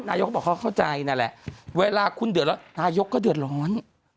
เขาบอกเขาเข้าใจนั่นแหละเวลาคุณเดือดร้อนนายกก็เดือดร้อน